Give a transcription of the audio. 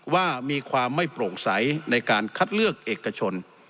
ว่ามีความไม่โปร่งใสในการคัดเลือกเอกชน